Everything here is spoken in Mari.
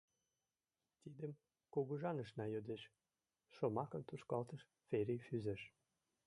— Тидым кугыжанышна йодеш, — шомакым тушкалтыш Фери Фӱзеш.